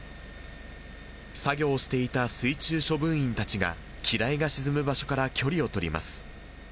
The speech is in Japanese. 作業していた水中処分員たちが、機雷が沈む場所から距離を取ります。